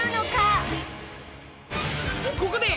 「ここで！